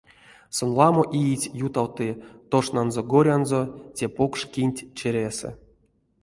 Сон ламо иеть ютавты тошнанзо-горянзо те покш кинть чиресэ.